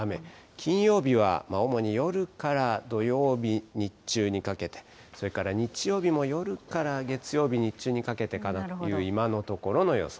金曜日は主に夜から土曜日日中にかけて、それから日曜日も夜から月曜日日中にかけてかなと、今のところの予想。